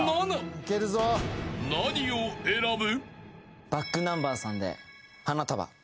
［何を選ぶ？］